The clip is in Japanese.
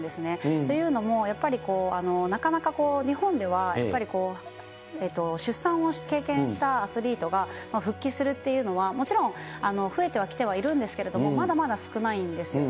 というのも、やっぱりなかなか日本ではやっぱり、出産を経験したアスリートが復帰するというのは、もちろん増えてはきてはいるんですけれども、まだまだ少ないんですよね。